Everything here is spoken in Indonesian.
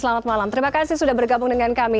selamat malam terima kasih sudah bergabung dengan kami